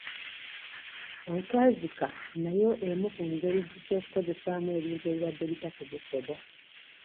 Okwazika nayo emu ku ngeri z'okukozesaamu ebintu ebibadde bitakozesebwa.